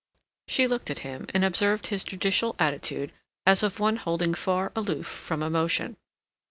She looked at him and observed his judicial attitude as of one holding far aloof from emotion.